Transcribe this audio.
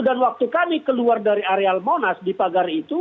dan waktu kami keluar dari areal monas di pagar itu